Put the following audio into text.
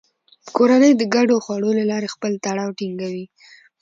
کورنۍ د ګډو خوړو له لارې خپل تړاو ټینګوي